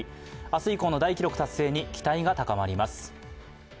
明日以降の大記録達成に期待が高まります。